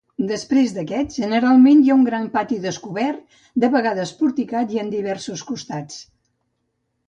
Després d'aquests, generalment hi ha un gran pati descobert, de vegades porticat en diversos costats.